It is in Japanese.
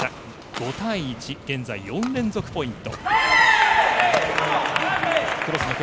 ５対１、現在４連続ポイント。